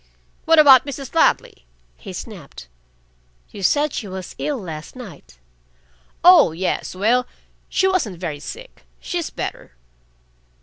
"What about Mrs. Ladley?" he snapped. "You said she was ill last night." "Oh, yes! Well, she wasn't very sick. She's better."